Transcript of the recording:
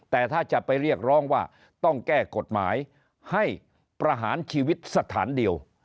แต่ถ้าจะไปเรียกร้องว่าต้องแก้กฎหมายให้ประหารชีวิตสถานเดียว